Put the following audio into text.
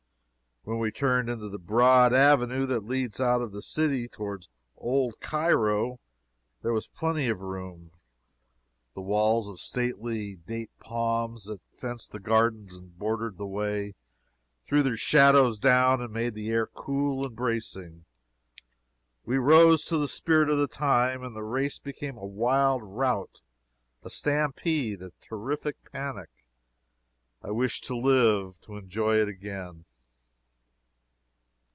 When we turned into the broad avenue that leads out of the city toward Old Cairo, there was plenty of room. The walls of stately date palms that fenced the gardens and bordered the way, threw their shadows down and made the air cool and bracing. We rose to the spirit of the time and the race became a wild rout, a stampede, a terrific panic. I wish to live to enjoy it again.